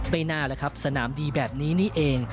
ไม่น่าแล้วครับสนามดีแบบนี้นี่เอง